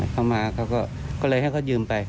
เพราะเลยให้เขายืมไป